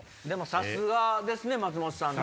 さすがですね松本さん。